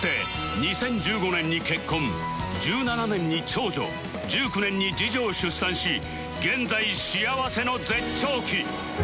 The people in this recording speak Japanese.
２０１７年に長女２０１９年に次女を出産し現在幸せの絶頂期